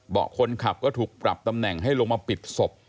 คนขับก็ถูกปรับตำแหน่งให้ลงมาปิดศพ